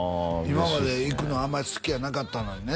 今まで行くのあんまり好きやなかったのにね